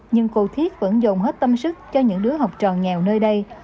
nhưng cô thiết vẫn dùng hết tâm sức cho những đứa học trò nghèo nơi đây